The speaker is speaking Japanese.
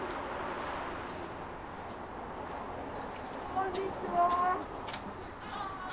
こんにちは。